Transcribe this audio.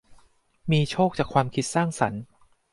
มีโชคจากความคิดสร้างสรรค์